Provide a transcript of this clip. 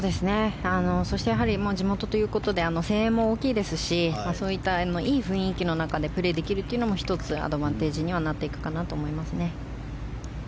そしてやはり地元ということで声援も大きいですしそういったいい雰囲気の中でプレーできるというのも１つアドバンテージになっていくかと思いますね。